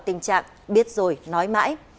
tình trạng biết rồi nói mãi